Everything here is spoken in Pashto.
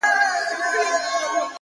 دوه زړونه په سترگو کي راگير سوله ـ